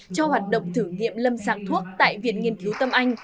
cho hoạt động thử nghiệm lâm sàng thuốc tại viện nghiên cứu tâm anh